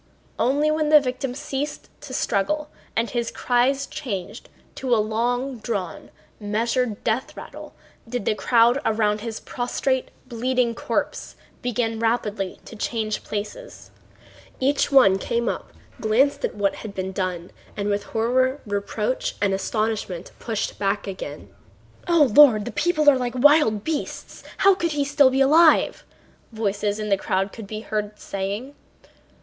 Only when the victim ceased to struggle and his cries changed to a long drawn, measured death rattle did the crowd around his prostrate, bleeding corpse begin rapidly to change places. Each one came up, glanced at what had been done, and with horror, reproach, and astonishment pushed back again. "O Lord! The people are like wild beasts! How could he be alive?" voices in the crowd could be heard saying.